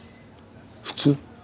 普通？